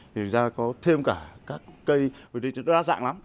thì thực ra có thêm cả các cây vì đây rất là đa dạng lắm